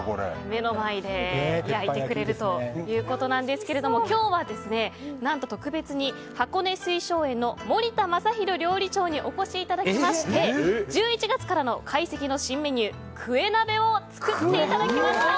目の前で焼いてくれるということなんですが今日は特別に箱根・翠松園の森田正弘料理長にお越しいただきまして１１月からの懐石の新メニュークエ鍋を作っていただきました！